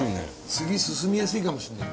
次進みやすいかもしれない。